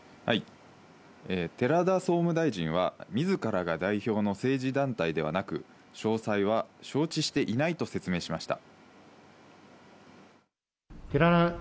寺田総務大臣は自らが代表の政治団体ではなく、詳細は承知していないと説明しました。